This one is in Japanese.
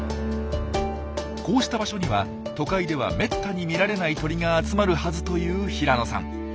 こうした場所には都会ではめったに見られない鳥が集まるはずという平野さん。